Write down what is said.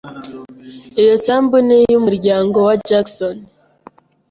Iyo sambu ni iyumuryango wa Jackson.